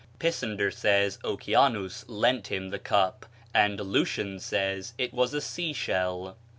Pisander says Oceanus lent him the cup, and Lucian says it was a sea shell.